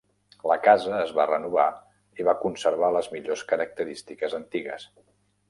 La casa es va renovar i va conservar les millors característiques antigues.